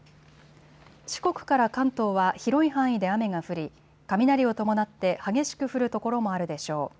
四国から関東は広い範囲で雨が降り雷を伴って激しく降る所もあるでしょう。